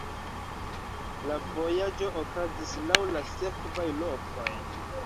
La vojaĝo okazis laŭ la sekvaj lokoj.